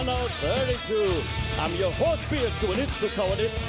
ขอต้อนรับทุกท่านนะครับเข้าสู่สุดยอดกีฬาการต่อสู้ระดับโลก